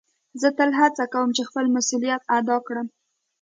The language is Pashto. زه تل هڅه کؤم چي خپل مسؤلیت ادا کړم.